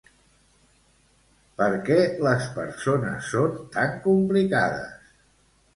Per què les persones són tan complicades?